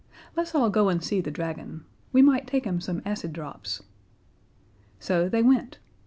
Let's all go and see the dragon. We might take him some acid drops." So they went.